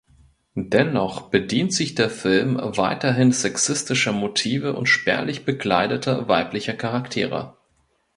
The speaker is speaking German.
Dennoch bedient sich der Film weiterhin sexistischer Motive und spärlich bekleideter weiblicher Charaktere.